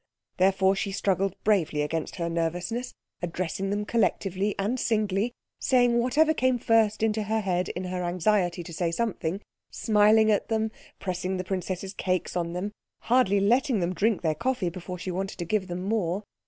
Therefore she struggled bravely against her nervousness, addressing them collectively and singly, saying whatever came first into her head in her anxiety to say something, smiling at them, pressing the princess's cakes on them, hardly letting them drink their coffee before she wanted to give them more.